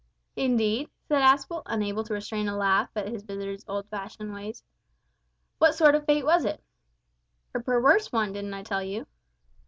"Indeed?" said Aspel, unable to restrain a laugh at his visitor's old fashioned ways, "what sort of fate was it?" "A perwerse one, didn't I tell you?"